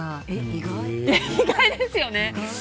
意外ですよね。